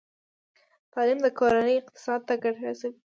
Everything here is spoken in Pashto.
تعلیم د کورنۍ اقتصاد ته ګټه رسوي۔